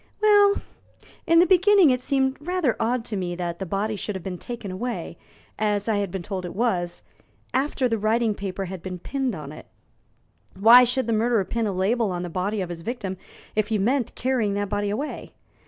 "Well, in the beginning it seemed rather odd to me that the body should have been taken away, as I had been told it was, after the written paper had been pinned on it. Why should the murderer pin a label on the body of his victim if he meant carrying that body away?